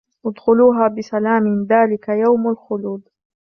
ادخلوها بسلام ذلك يوم الخلود